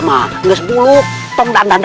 iroh mau siap siap dulu mau dandan biar rapi